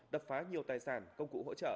đập phá nhiều tài sản công cụ hỗ trợ